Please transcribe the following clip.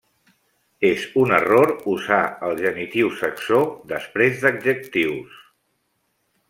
És un error usar el genitiu saxó després d'adjectius.